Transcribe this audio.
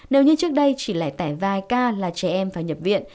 nếu như trước đây chỉ lại tải vài ca là trẻ em phải nhập viện